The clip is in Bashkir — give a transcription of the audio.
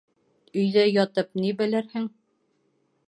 Өйҙә ятып ни белерһең